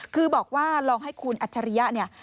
ถ้าลองให้คุณอัชริยะเนี่ย